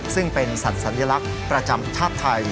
ซึ่งเป็นสัตว์สัญลักษณ์ประจำชาติไทย